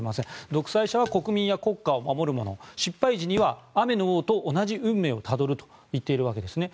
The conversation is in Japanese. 独裁者は国民や国家を守るもの失敗時には雨の王と同じ運命をたどると言っているんですね。